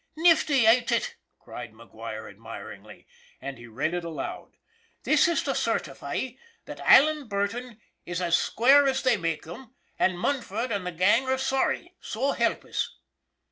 " Nifty, ain't it? " cried McGuire, admiringly; and he read it aloud :"' This is to certify that Alan Burton is as square as they make them, and Munford and the gang are sorry. So help us !